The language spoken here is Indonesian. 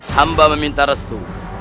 hamba meminta restu